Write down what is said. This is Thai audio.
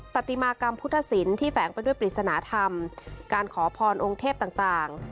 ปฏิมากรรมพุทธศิลป์ที่แฝงไปด้วยปริศนธรรมการขอพรองค์เทพต่าง